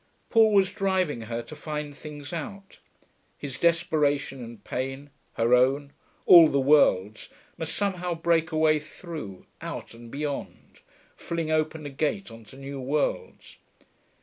Paul was driving her to find things out; his desperation and pain, her own, all the world's, must somehow break a way through, out and beyond, fling open a gate on to new worlds....